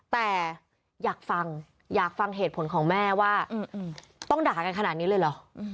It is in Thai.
แต่อยากฟังอยากฟังเหตุผลของแม่ว่าต้องด่ากันขนาดนี้เลยเหรอ